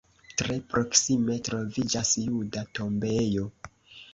Tre proksime troviĝas juda tombejo.